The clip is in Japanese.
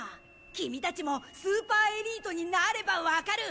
君たちもスーパーエリートになれば分かる。